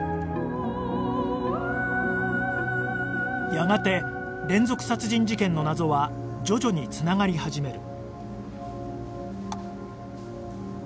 やがて連続殺人事件の謎は徐々に繋がり始める